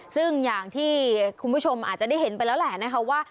ซึ่งอย่างที่คุณผู้ชมอาจจะได้เห็นไปแล้วแหละนะคะว่า